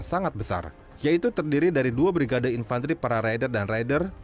sangat besar yaitu terdiri dari dua brigade infanteri para rider dan rider